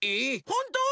ほんと？